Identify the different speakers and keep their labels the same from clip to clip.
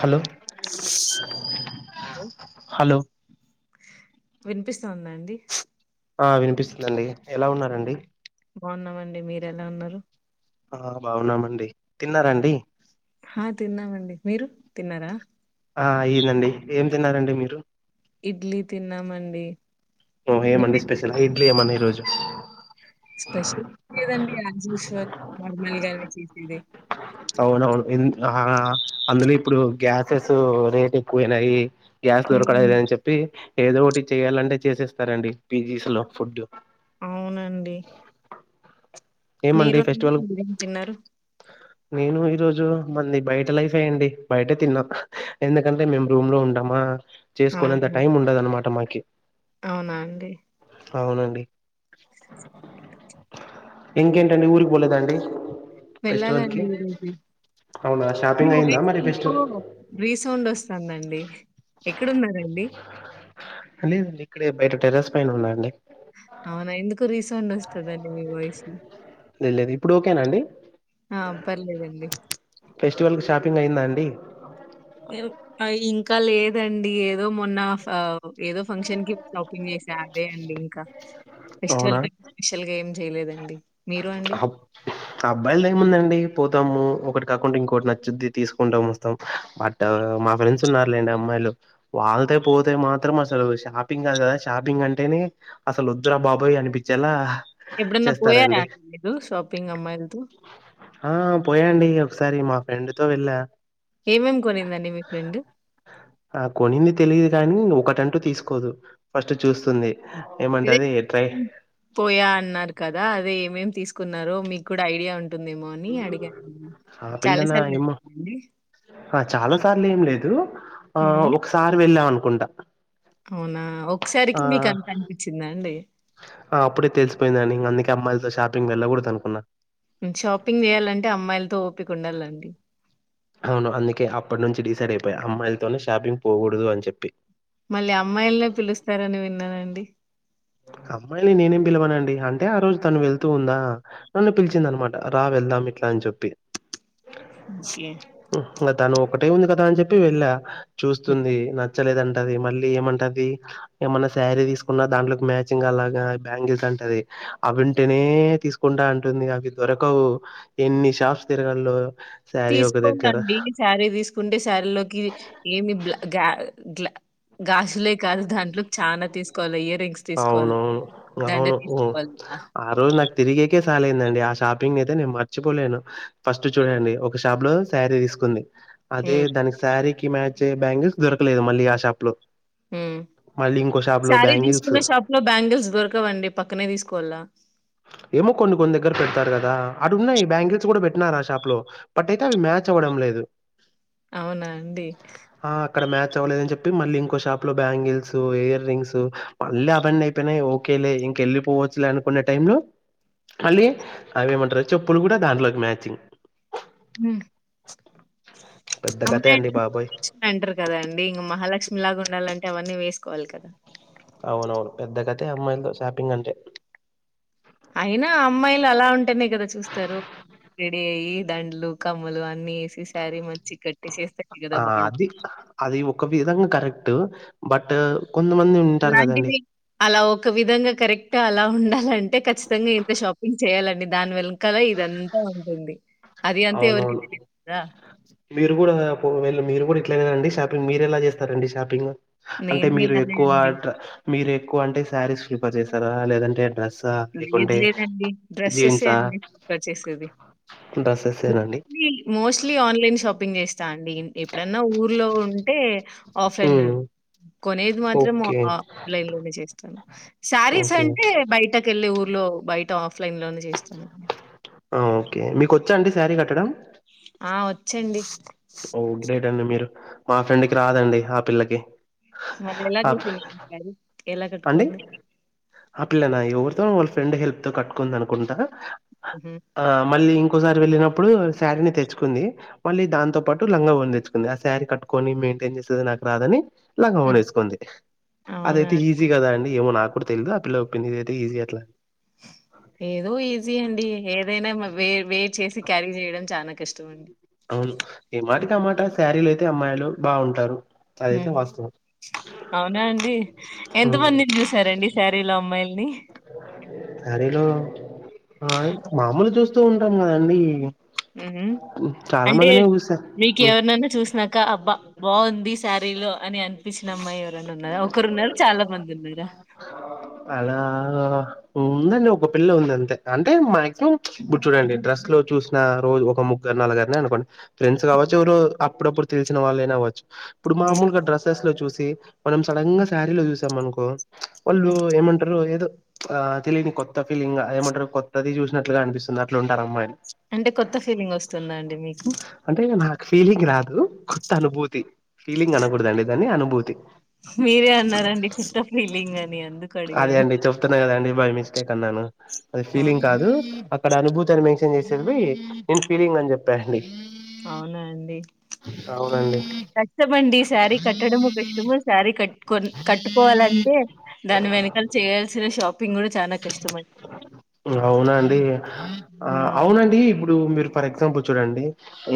Speaker 1: Hello hello
Speaker 2: వినిపిస్తోందా అండి
Speaker 1: ఆ వినిపిస్తుందండి ఎలా ఉన్నారండి
Speaker 2: బాగున్నామండి మీరు ఎలా ఉన్నారు
Speaker 1: ఆ బాగున్నామండి తిన్నార అండి
Speaker 2: ఆ తిన్నామండి మీరు తిన్నారా
Speaker 1: ఆ అయ్యిందండి ఏం తిన్నారండి మీరు
Speaker 2: ఇడ్లీ తిన్నామండి
Speaker 1: ఓ
Speaker 2: మే
Speaker 1: ఏమండి స్పెషల్ ఇడ్లీ ఏమన్నా ఈ రోజు
Speaker 2: స్పెషల్ లేదండి యాస్ యుజవల్ నార్మల్ గానే ఇదే
Speaker 1: అవునవును ఏ ఆ హ్ అందులో ఇప్పుడు గ్యాసెస్ రేట్ ఎక్కువైనాయి గ్యాస్ దొరకడం
Speaker 2: ఉమ్,
Speaker 1: లేదు అని చెప్పి ఏదో ఒకటి చేయాలంటే చేసేస్తారండి పీజీస్ లో ఫుడ్
Speaker 2: అవునండి
Speaker 1: ఏమండి
Speaker 2: మీరు
Speaker 1: ఫెస్టివల్
Speaker 2: ఏం తిన్నారు
Speaker 1: నేను ఈ రోజు మనది బయట లైఫ్ అయ్యింది బయట తిన్నాం ఎందుకంటే మేము రూమ్ లో ఉంటాం ఆ చేసుకునేంత
Speaker 2: అవునా
Speaker 1: టైం ఉండదు అన్నమాట మాకు ఓకే
Speaker 2: అవునా అండి
Speaker 1: అవునండి ఇంకేంటండి ఊరికి పోలేద అండి
Speaker 2: వెళ్ళాలాండి ఈరోజు
Speaker 1: అవునా
Speaker 2: మీ
Speaker 1: షాపింగ్ అయిందా
Speaker 2: వాయిస్
Speaker 1: మరి
Speaker 2: ఎందుకో
Speaker 1: ఫెస్టివల్
Speaker 2: రీసౌండ్ వస్తుందండి ఎక్కడున్నారండి
Speaker 1: లేదండి ఇక్కడే బయట టెర్రస్ పైన ఉన్నా అండి
Speaker 2: అవునా ఎందుకు రీసౌండ్ వస్తదండి మీ వాయిస్
Speaker 1: లే లేదు ఇప్పుడు ఓకే నా అండి
Speaker 2: ఆ పర్లేదండి
Speaker 1: ఫెస్టివల్ కి షాపింగ్ అయిందా అండి
Speaker 2: ఆ ఇంకా లేదండి ఏదో మొన్న ఆ ఏదో ఫంక్షన్ కి షాపింగ్ చేసా అండి అదే అండి ఇంకా
Speaker 1: అవునా
Speaker 2: ఫెస్టివల్ కి స్పెషల్ గా చేయలేదండి మీరు అండి?
Speaker 1: అబ్బాయిలది ఏం ఉందండి స్తాము ఒకటి కాకుండా ఇంకోటి నచ్చుద్ది తీసుకుంటాం వస్తాం బట్ మా ఫ్రెండ్స్ ఉన్నారు లేండి అమ్మాయిలు వాళ్ళతో పోతే మాత్రం అసలు షాపింగ్ కాదు కదా షాపింగ్ అంటేనే అసలు వద్దురా బాబోయ్ అనిపించేలా
Speaker 2: ఎప్పుడన్న పోయారా
Speaker 1: చేస్తారండి
Speaker 2: ఎట్లుంది సోపింగ్ అమ్మాయిలతో
Speaker 1: ఆ పోయాండి ఒకసారి మా ఫ్రెండ్ తో వెళ్ళా
Speaker 2: ఏమేమి కొనిందండి మీ ఫ్రెండ్?
Speaker 1: ఆ కొన్నింది తెలిగే దాన్ని ఒకటంటూ తీసుకోదు ఫస్ట్ చూస్తుంది
Speaker 2: ఇదే
Speaker 1: ఏమంటది ట్రై
Speaker 2: పోయా అన్నారుకాదా అదే మేం తీసుకున్నారో మీకు కూడా ఐడియా ఉం ఉంటుందేమో అని అడిగా
Speaker 1: ఆ
Speaker 2: చాలా
Speaker 1: పిల్లనా
Speaker 2: సార్లు
Speaker 1: ఏమో
Speaker 2: వెళ్ళమండి
Speaker 1: ఆ చాలా సార్లు ఏం లేదు ఆ
Speaker 2: హ్మ్.
Speaker 1: ఒకసారి వెళ్ళాను కుంట
Speaker 2: అవునా ఒకసారికి మీకు అంత అనిపించిందా అండి.
Speaker 1: ఆ అప్పుడే తెలిసిపోయిందండి అందుకే అమ్మాయిలతో షాపింగ్ వెళ్ళకూడదు అనుకున్నా.
Speaker 2: షాపింగ్ చేయాలంటే అమ్మాయిలతో ఓపిక ఉండాలండి
Speaker 1: అవును. అందుకే అప్పటినుంచి డిసైడ్ అమ్మాయిలతోనే షాపింగ్ పోకూడదు అని చెప్పి
Speaker 2: మళ్ళీ అమ్మాయిలనే పిలుస్తారని విన్నానండి.
Speaker 1: అమ్మాయిల్ని నేనేం పిలవానండి అంటే ఆ రోజు తను వెళ్తూ ఉందా నన్ను పిలిచిందనమాట రా వెళ్దాం ఇట్లా అని చెప్పి
Speaker 2: ఛీ
Speaker 1: హ్మ్. ఇంగ తను ఒకటే ఉంది కదా అని చెప్పి వెళ్ళా
Speaker 2: హ్మ్.
Speaker 1: చూస్తుంది నచ్చలేదంటది. మళ్ళీ ఏమంటది ఏమన్నా శారీ తీసుకున్నా దాంట్లో మ్యాచింగ్ అలాగా బ్యాంగిల్స్ అంటది, అవింటేనే తీసుకుంటా అంటుంది అవి దొరకవు ఎన్ని షాప్స్ తిరగలో
Speaker 2: తీసుకోందండి శారీ తీసుకుంటే శారీలోకి ఏమి బ్లా గ గ్లా గాసులే కాదు దాంట్లో చానా తీసుకోవాలి య
Speaker 1: అవునవును అవును
Speaker 2: తీసుకోవాలి. ఆహ్!
Speaker 1: ఆ రోజు నాకు తిరిగికే చాల అయిందండి ఆ షాపింగ్ అయితే నేను మర్చిపోలేను ఫస్ట్ చూడండి ఒక షాప్ లో శారీ తీసుకుంది. అదే
Speaker 2: హ్మ్.
Speaker 1: దానికి శారీకి కి మ్యాచ్ అయూ బ్యాంగల్స్ దొరకలేదు మళ్ళీ ఆ షాప్ లో మళ్ళింకో షాపులో బ్యాంగిల్
Speaker 2: చిన్న షాప్ లో బ్యాంగిల్స్ దొరకవండి పక్కనే తీస్కోవాలా
Speaker 1: ఏమో కొన్ని కొన్ని దగ్గర పెడతారు కదా అటు ఉన్నాయి బ్యాంగిల్స్ కూడా పెట్టినారు ఆ షాప్ లో బట్ అయితే అవి మ్యాచ్ అవ్వడం లేదు
Speaker 2: అవునా అండి
Speaker 1: ఆ! అక్కడ మ్యాచ్ అవ్వలేదు అని చెప్పి మళ్ళీ ఇంకో షాప్ లో బ్యాంగిల్స్, ఇయర్ రింగ్స్ మళ్ళ అవన్ను అయిపోయినాయి. ఓకేలే ఇంకెళ్ళలిపోవచ్చులే అనుకునే టైం లో మళ్ళీ అవేమంటారు చెప్పులు కూడా దాంట్లోకి మ్యాచింగ్
Speaker 2: హ
Speaker 1: పెద్ద కథే
Speaker 2: అమ్మాయి
Speaker 1: అండి బాబోయ్!
Speaker 2: మాలక్ష్ అంటారు కదా అండి ఇంకా మహాలక్ష్మి లాగా ఉండాలంటే అవన్నీ వే [unintelligible]
Speaker 1: అవునవును పెద్ద కథే అమ్మాయిలతో షాపింగ్ అంటే
Speaker 2: అయినా అమ్మాయిలు అలా ఉంటేనే కదా చూస్తారు. రెడీ అయ్యి దండ్లు కమ్మలు అ అన్నీ వేసి శారీ మంచి కట్టేసేస్తేనే కదా
Speaker 1: ఆ!
Speaker 2: బాగుంటుంది
Speaker 1: దు బట్టూ..
Speaker 2: అలాంటివి అలా ఒక విధంగా కరెక్ట అలా ఉండాలంటే ఖచ్చితంగా ఇంత షాపింగ్ చేయాలండి. దాన్ వెన్కలే ఇదంతా ఉంటుంది. అది అంతా ఎవరికి
Speaker 1: అవునవును,
Speaker 2: తెలియదు కదా!
Speaker 1: మీరు గూడా పో వెళ్ళు మీరు. ప్పుడు ఇట్లే గదండి షాపింగ్. మీరెలా జేస్తారండి షాపింగ్.? అంటే
Speaker 2: నేను
Speaker 1: మీరు
Speaker 2: ఇలానే
Speaker 1: ఎక్కువ
Speaker 2: అండి.
Speaker 1: ట్ర మీరు ఎ.. ఎక్కువ అంటే శారీస్ ప్రిఫర్ జేస్తారా? లేదంటే డ్రెస్.
Speaker 2: లేదు లేదండి డ్రెస్సెసే అండి పర్ చేసేది.
Speaker 1: డ్రెస్సెసేనండి
Speaker 2: మోస్ట్లీ ఆన్లైన్ షాపింగ్ జేస్తా. డీ ఎప్పుడన్నా ఊర్లో ఉంటే.. ఆఫెన్నిల్.
Speaker 1: ఉమ్
Speaker 2: కొనేది మాత్రం ఆ
Speaker 1: ఓకే
Speaker 2: ఆ లైన్ లోనే జేస్తాను. శారీస్
Speaker 1: ఓకే
Speaker 2: అంటే బయట. ఊర్లో బయట ఆఫ్. ఫ్లైన్ లోనే జేస్తున.
Speaker 1: ఆ ఓకే మీకొచ్చా అండి శారీ కట్టడం.
Speaker 2: ఆ ఓచ్చండి.
Speaker 1: ఓ గ్రేట్ అండి మీరు. మా ఫ్రెండుకి రాదండి, ఆ పిల్లకి.
Speaker 2: మళ్ళి ఎలా
Speaker 1: ఆ
Speaker 2: జేసిందండీ సారీ. ఎలా
Speaker 1: అండి
Speaker 2: కట్టుకోండి.
Speaker 1: ఆ పిల్లనా ఎవరితో వాళ్ళ ఫ్రెండ్ హెల్ప్ తో కట్టుకుందనుకుంటా.
Speaker 2: హుహు.
Speaker 1: ఆ మళ్ళీ ఇం.. ఒసారి వెళ్ళినప్పుడు శారీని తెచ్చుకుంది. మళ్ళీ దాంతో పాటు లంగా ఓని దెచ్చుకుంది., ఆ శారీ కట్టుకొని మెయింటైన్ జేసేది నాకు రాదని. లంగాఓనీ
Speaker 2: హ్మ్.
Speaker 1: ఏసుకుంది.
Speaker 2: అవునా
Speaker 1: అదైతే.. ఈజీ
Speaker 2: అండి.
Speaker 1: గదా అండి. ఏమో నాకూడా తెల్దు.. ఆ పిల్ల ఒపీనిన్ ఐతే ఈజీ అట్లా.
Speaker 2: ఏదో ఈజీ అండి ఏదైనా మా.. వేర్ వేర్. చేసి క్యారీ జేయడం చాలా కష్.. తో అండి.
Speaker 1: అవును. ఏ
Speaker 2: హ్మ్.
Speaker 1: మటికామాట. శారీలో అయితే అమ్మాయిలు బాగుంటారు.
Speaker 2: ఊ అవునా అండి.
Speaker 1: హ్మ్.
Speaker 2: ఎంతమందినీ జుసారండి శారీలో అమ్మాయిలు. అండి
Speaker 1: సారీలో ఆ మామూలు చూస్తూ ఉంటాం కద అండి
Speaker 2: ఉహూ అంటే
Speaker 1: చూసా.
Speaker 2: మీకు
Speaker 1: హ్మ్.
Speaker 2: ఎవరినైనా చూసినాక అబ్బా బాగుంది సారిలో అని అని కనిపించిన అమ్మాయి ఎవరైనా ఉన్నారా ఒకరున్నారా చాలా మంది ఉన్నారా
Speaker 1: అలా ఉందండి ఒక పిల్ల ఉంది అంతే అంటే మాక్సిమం ఇప్పుడు చూడండి డ్రస్ లో చూసిన రోజు ఒక ముగ్గురు నలుగరిని అనుకోండి ఫ్రెండ్స్ కావచ్చు ఎవరో అప్పుడప్పుడు తెలిసిన వాళ్ళైన అవ్వచ్చు ఇప్పుడు
Speaker 2: ఉమ్,
Speaker 1: మామూలుగా డ్రస్ లో చూసి మనం సడంగా సారిలో చూసి త మనకు వాళ్ళు
Speaker 2: ఉమ్.
Speaker 1: ఏమంటారు ఏదో ఆ తెలియని కొత్త ఫీలింగ్ ఏమంటారు కొత్తది చూసినట్లుగా అనిపిస్తుంది అట్లు ఉంటారు అమ్మాయిలు
Speaker 2: అంటే కొత్త ఫీలింగ్ వస్తుందా అండి మీకు
Speaker 1: అంటే నాకు ఫీలింగ్ రా అ కొత్త అనుభూతి ఫీలింగ్ అనకూడదండి అనుభూతి
Speaker 2: మీరే అన్నారండి కొత్త ఫీలింగ్ అని అందుకు అడిగాను
Speaker 1: స్టేక్ అన్నాను అది ఫీలింగ్
Speaker 2: అవును
Speaker 1: కాదు అక్కడ అనుభూతిని మేము చేసేదివి నేను ఫీలింగ్ అని చెప్పా అండి
Speaker 2: అవునా అండి
Speaker 1: అవునండి
Speaker 2: కష్టమండి శారీ కట్టడము కష్టము శారీ కట్టుక కట్టుకోవాలంటే దాని వెనకాల చేయాల్సిన షాపింగ్ కూడా చానా కష్టం అండి
Speaker 1: అవునండి ఆ
Speaker 2: ఉమ్
Speaker 1: అవునండి ఇప్పుడు మీరు ఫర్ ఎగ్జాంపుల్ చూడండి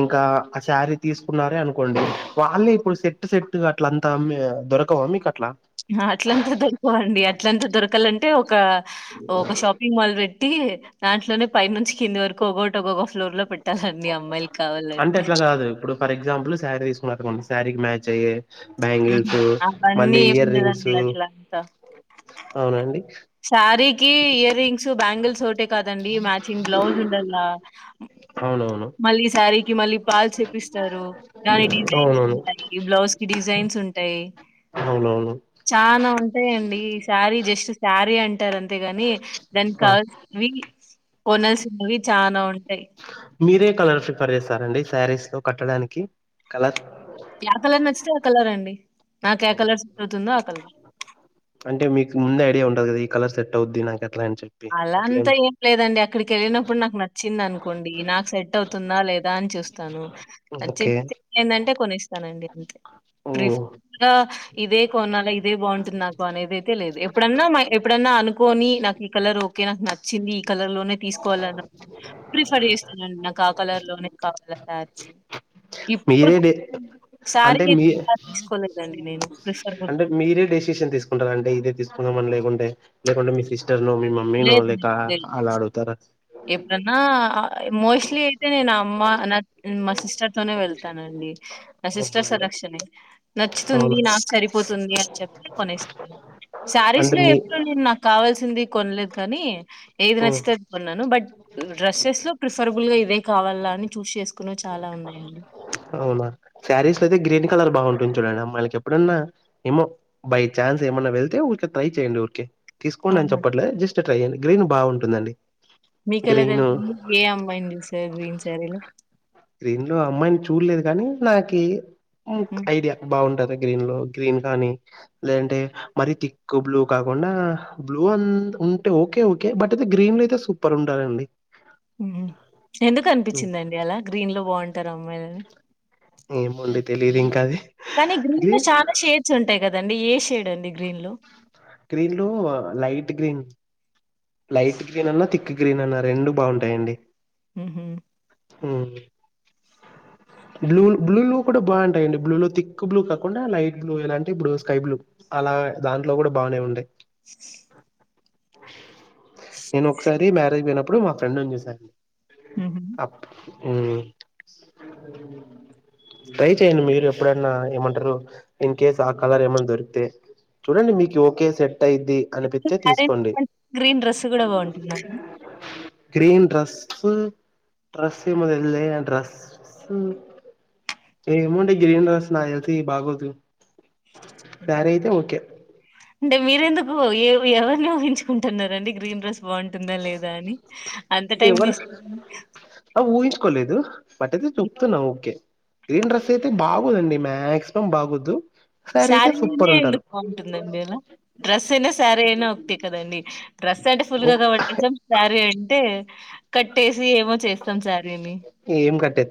Speaker 1: ఇంకా ఆ శారీ తీసుకున్నారే అనుకోండి వాళ్ళే ఇప్పుడు సెట్ సెట్టు అట్లగా అంతా దొరకవా మీకు అట్లా
Speaker 2: ఆహా అట్లంతా దొరకవండి అట్లంతా దొరకాలంటే ఒక ఒక ఒక షాపింగ్ మాల్ పెట్ ట్టి దాంట్లోనే పైన నుంచి కింది వరకు ఒక్కోటి ఒకోక ఫ్లోర్ లో పెట్టి
Speaker 1: అంటే అట్లా కాదు ఇప్పుడు ఫర్ ఎగ్జాంపుల్ శాలరీ తీసుకున్నారూ అనుకోండి తారికి మ్యాచ్ అయ్యే
Speaker 2: హ్మ్.
Speaker 1: బ్యాంగిల్స్
Speaker 2: అవన్నీ
Speaker 1: మళ్ళీ ఇయర్ రింగ్స్
Speaker 2: ఏముండదండి అట్లా అంతా.
Speaker 1: అవునండి
Speaker 2: శారీకి ఇయర్ రింగ్స్ బ్యాంగిల్స్ ఒకటే కాదండి మ్యాచింగ్ బ్లౌజ్ ఉండల్లా
Speaker 1: అవునవును
Speaker 2: మళ్ళీ శారీకి మళ్ళీ పాల్స్ చేపిస్తారు దాని డిజైన్స్
Speaker 1: అవునవును
Speaker 2: ఉంటాయి బ్లౌజ్ కి డిజైన్స్ ఉంటాయి
Speaker 1: అవునవును
Speaker 2: చానా ఉంటాయండి శారీ జస్ట్ శారీ అంటే అంటారు అంతేగాని దానికి
Speaker 1: ఆ
Speaker 2: కావాల్సినవి కొనాల్సినవి చానా ఉంటాయి
Speaker 1: మీరే కలర్ ప్రిఫర్ చేస్తారండి శారీస్ లో కట్టడానికి కలర్
Speaker 2: కలర్ నచ్చితే ఆ కలర్ అండి నాకు ఏ
Speaker 1: అవును
Speaker 2: కలర్ సూట్ అవుతుందో ఆ కలర్.
Speaker 1: అంటే మీకు ముందే ఐడియా ఉంటు ఈ కలర్ సెట్ అవ్వుద్ది నాకి అని చెప్పి
Speaker 2: అలా అంత
Speaker 1: అట్లేం
Speaker 2: ఏం లేదండి అక్కడికి వెళ్ళినప్పుడు నాకు నచ్చింది అనుకోండి నాకు సెట్ అవుతుందా లేదా అని చూస్తాను
Speaker 1: ఓకే
Speaker 2: నచ్చింది ఏందంటే కొనిస్తానండి అంతే
Speaker 1: ఓ
Speaker 2: ప్రిఫ ఇదే కొనాల ఇదే బాగుంటుంది నాకు అనేది అయితే లేదు ఎప్పుడన్నా ఎప్పుడన్నా అనుకోని నాకి కలర్ ఒకే నాకు నచ్చింది కలర్ లోనే తీసుకోవాల ప్రిఫర్ చేస్తానండి నాకు ఆ కలర్ లోనే కావాల శారీ
Speaker 1: మీరే
Speaker 2: ఇప్పటి వరకు
Speaker 1: డే
Speaker 2: శారీ
Speaker 1: అంటే మీ
Speaker 2: అయితే తీసుకోలేదండి నేను ప్రిఫర్
Speaker 1: అంటే మీరే డెసిషన్ తీసుకుంటారా అంటే ఇదే తీసుకున్నామని లేకుంటే మీ సిస్టర్ సిస్టర్ నో మీ మమ్మీ నో లేక
Speaker 2: లేదు. లేదు.
Speaker 1: అలా అడుగు
Speaker 2: ఎప్పుడన్నా మోస్ట్లీ అయితే నేను అమ్మ నా మా సిస్టర్ తోనే వెళ్తానండి నా సిస్టర్
Speaker 1: అవునండి
Speaker 2: సెలక్షణే నచ్చుతుంది
Speaker 1: అవునా
Speaker 2: నాకు సరిపోతుంది అని చెప్పి కొనేస్తంది శారీస్
Speaker 1: అంటే
Speaker 2: లో
Speaker 1: మీ
Speaker 2: ఎప్పుడు నేను నాకు కావాల్సింది కొనలేదు కానీ ఏది
Speaker 1: మ్మ్
Speaker 2: నచ్చుతుంది న్నాను బట్ డ్రెస్సెస్ లో ప్రిఫరబుల్ గా ఇదే కావాలా అని చూస్ చేసుకునే చాలా ఉన్నాయండి.
Speaker 1: సారీస్ లో అయితే గ్రీన్ కలర్ బావుంది గు చూడండి అమ్మాయిలకి ఎప్పుడన్నా ఏమో బై ఛాన్స్ ఏమన్నా వెళ్తే ఊరికే ట్రై చేయండి ఊరికే తీసుకోండి అని
Speaker 2: అవునా?
Speaker 1: చెప్పట్లే జస్ట్ గ్రీన్ బాగుంటుందండి
Speaker 2: మీకెలా
Speaker 1: గ్రీన్
Speaker 2: తెలుసుంది ఏ అమ్మాయిని చూసారు గ్రీన్ శారీలో
Speaker 1: గ్రీన్ లో అమ్మాయిని చూడలేదు కానీ నాకి
Speaker 2: హ్మ్.
Speaker 1: ఐడియా బాగుంటది గ్రీన్ లో గ్రీన్ కానీ లేదంటే మర తిక్ బ్లూ కాకుండా బ్లూ అ ఉంటే ఓకే ఓకే బట్ అయితే గ్రీన్ లో అయితే సూపర్ ఉంటరండి
Speaker 2: ఉ ఎందుకు
Speaker 1: ఉమ్,
Speaker 2: అనిపించిందండి అలా గ్రీన్ లో బాగుంటారు అమ్మాయిలని
Speaker 1: ఏమో అండి తెలిదు ఇంకా అది
Speaker 2: కానీ గ్రీన్ లో చాలా షేడ్స్ ఉంటాయి కదండి ఏ షేడ్ అండి గ్రీన్ లో
Speaker 1: గ్రీన్ లో లైట్ గ్రీన్ లైట్ గ్రీన్ అన్నా తిక్ థిక్ గ్రీన్ అన్నా రెండు బాగుంటాయి అండి
Speaker 2: ఉహు
Speaker 1: బ్లూ బ్లూ లో కూడా బాగుంటాయిడి బ్లూ లో తిక్ బ్లూ కాకుండా లైట్ బ్లూ ఇలాంటి ఇప్పుడు స్కై బ్లూ అలా దాంట్లో కూడా బాగానే ఉంటాయి నేను ఒకసారి మ్యారేజ్ పోయినప్ ప్పుడు మా ఫ్రెండును చూసాను
Speaker 2: హుహు.
Speaker 1: అప్ ఉమ్ ట్రై చెయండి మీరు ఎప్పుడన్నా ఏమంటారు ఇన్ కేస్ ఆ కలర్ ఏమన్నా దొరికితే చూడండి మీకు ఒకే సెట్ అయిది
Speaker 2: [unintelligible] గ్రీన్ డ్రెస్ కూడా బాగుంటుందండి
Speaker 1: గ్రీన్ డ్రస్ డ్రస్ ఏమో [unintelligible] డ్రస్ ఏమో అండి గ్రీన్ డ్రస్ నాకు తెలిసి బాగోదు
Speaker 2: హుహు.
Speaker 1: సారీ అయితే ఓకే
Speaker 2: అంటే మీరెందుకు ఎవ్ ఎవరిని ఊహించుకుంటున్నారండి గ్రీన్ డ్రెస్ బాగుంటుందా లేదా అని అంత టైం తీసుకుని
Speaker 1: కోలేదు బట్ అయితే చూపుతున్నా ఓకే గ్రీన్ డ్రస్ అయితే బాగోదండి మాక్సిమం బాగోదు
Speaker 2: సారీనే ఎందుకు బాగుంటుందండి అలా డ్రెస్ అయినా సారీ అయినా ఒకటే కదండి డ్రెస్ అంటే ఫుల్ గా కవర్ చేస్తాం సారీ అన్ టె కట్టేస్ సి ఏమో చేస్తాం సారీని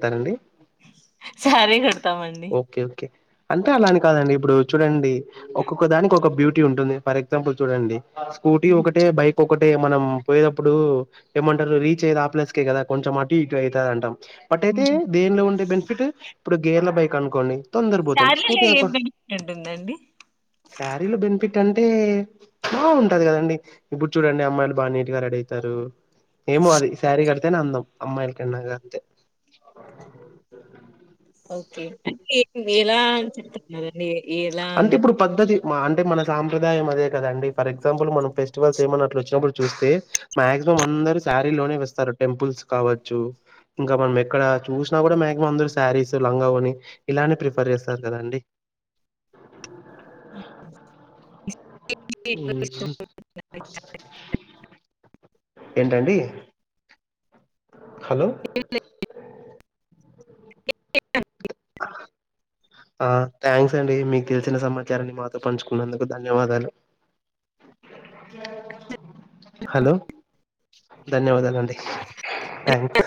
Speaker 1: తండి అ
Speaker 2: సారీ [unintelligible]
Speaker 1: ఓకే ఓకే అంటే అలాని కాదండి ఇప్పుడు చూడండి ఒక్కొక్క దానికి ఒక బ్యూటీ ఉంటుంది ఫర్ ఎగ్జాంపుల్ చూడండి స్కూటీ ఒకటే బైక్ ఒక్ ఒకటే మనం పోయేటప్పుడు ఏమంటారు రీచ్ అయ్యేది ఆ ప్లేస్కే కదా కొంచం అటు ఇటు అయితది అంటాం బట్ అయితే
Speaker 2: హుహు.
Speaker 1: దేనిలో ఉండే బెన్ [unintelligible] ఇప్పుడు గేర్ల బైక్ కనుకోండి తొందర బొతాం స్కూటీ
Speaker 2: శారీలో ఏం
Speaker 1: [unintelligible]
Speaker 2: బెనిఫిట్ ఉంటుందండి?
Speaker 1: స్యారీలో బెన్ఫిట్ ఏంటంటే బాగుంటది కదండి ఇప్పుడు చూడండి అమ్మాయిలు బాగా నీటిగా రెడీ అవుతారు ఏమో అది సారీ గడ్ తేనె అందం అమ్మాయిలకన్నది అంతే
Speaker 2: ఓకే ఏం [inaudible] ఇలా అని చెప్తున్నార్ డి ఇలా
Speaker 1: అంటే
Speaker 2: [unintelligible]
Speaker 1: ఇప్పుడు పద్ధతి అంటే మన సంప్రదాయం అదే కదండి ఫర్ ఎగ్జాంపుల్ మనం ఫెస్టివల్స్ ఏమైనా అట్ల వచ్చినప్పుడు చూస్తే మ్యాగ్జిమం అందరూ సారీలోనే వస్తారు టెంపుల్స్ కావచ్చు ఇంకా మనం ఎక్కడ చూసినా కూడా మాక్సిమం అందరు శారీస్ లంగావో ని ఇలానే ప్రిఫర్ చేస్తారు కదాండి
Speaker 2: హ్మ్.
Speaker 1: హ్మ్మ్ ఏంటండి హలో ఆ థ్యాంక్స్ అండి మీకు తెలిసిన సమాచారాన్ని మాతో పంచుకున్నందుకు ధన్యవాదాలు హలో ధన్యవాదాలండి థ్యాంక్స్